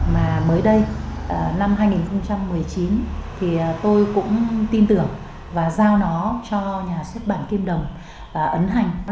mà mới đây năm hai nghìn một mươi chín thì tôi cũng tin tưởng và giao nó cho nhà xuất bản kim đồng ấn hành